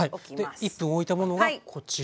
で１分おいたものがこちら。